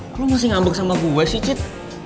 lo masih ngambek sama gue sih cit